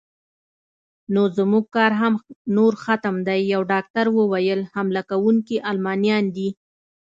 نو زموږ کار هم نور ختم دی، یو ډاکټر وویل: حمله کوونکي المانیان دي.